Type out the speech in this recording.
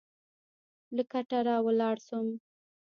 له کټه راولاړ شوم.